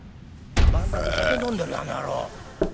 「番台で酒飲んでるよあの野郎」。